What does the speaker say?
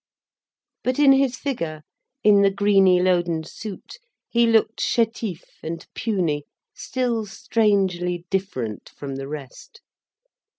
But in his figure, in the greeny loden suit, he looked chétif and puny, still strangely different from the rest.